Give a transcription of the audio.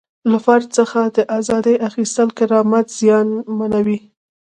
له فرد څخه د ازادۍ اخیستل کرامت زیانمنوي.